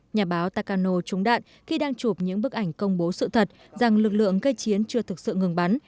nhà báo tacano trúng đạn khi đang chụp những bức ảnh công bố sự thật rằng lực lượng cây chiến chưa thực sự ngừng bắn